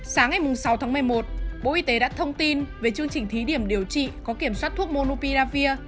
sáng ngày sáu tháng một mươi một bộ y tế đã thông tin về chương trình thí điểm điều trị có kiểm soát thuốc monupiravir